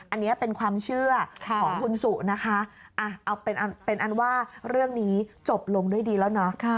อันนี้เป็นความเชื่อของคุณสุนะคะเอาเป็นอันว่าเรื่องนี้จบลงด้วยดีแล้วเนาะ